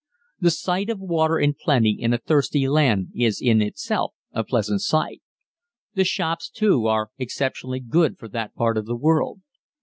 The sight of water in plenty in a thirsty land is in itself a pleasant sight. The shops too are exceptionally good for that part of the world.